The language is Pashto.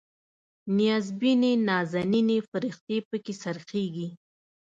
نیازبینې نازنینې فرښتې پکې خرڅیږي